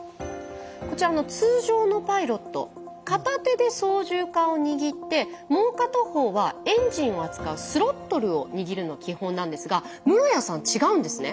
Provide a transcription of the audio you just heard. こちら通常のパイロット片手で操縦かんを握ってもう片方はエンジンを扱うスロットルを握るの基本なんですが室屋さん違うんですね。